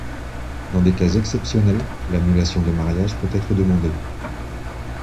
Dans des cas exceptionnels, l'annulation de mariage peut être demandée.